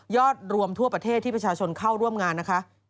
รวมทั่วประเทศที่ประชาชนเข้าร่วมงานนะคะ